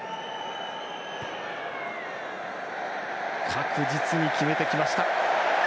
確実に決めてきました。